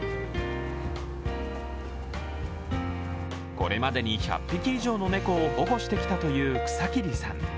これまでに１００匹以上の猫を保護してきたという草切さん。